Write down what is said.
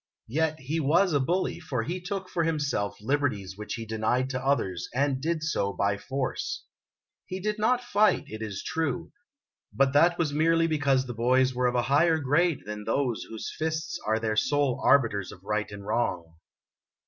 Yet he was a bully, for he took for himself liberties which he denied to others, and did so by force. He did not fight, it is true : but that was merely because the boys were of a higher grade than those whose fists are their sole arbiters of right and wrong.